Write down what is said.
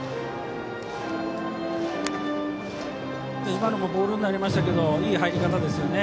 今のもボールになりましたがいい入り方ですよね。